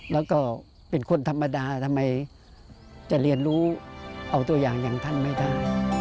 แล้วก็เป็นคนธรรมดาทำไมจะเรียนรู้เอาตัวอย่างอย่างท่านไม่ได้